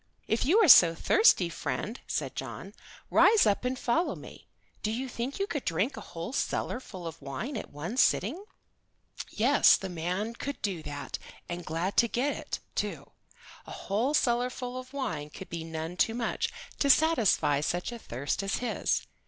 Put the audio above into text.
"If you are so thirsty, friend," said John, "rise up and follow me. Do you think you could drink a whole cellar full of wine at one sitting?" Yes, the man could do that, and glad to get it, too. A whole cellar full of wine would be none too much to satisfy such a thirst as his.